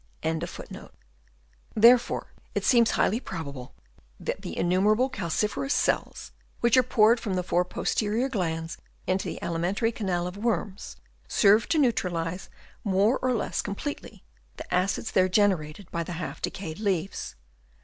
55 " tion."* Therefore it seems highly probable that the innumerable calciferous cells, which are poured from the four posterior glands into the alimentary canal of worms, serve to neutralise more or less completely the acids there generated by the half decayed leaves.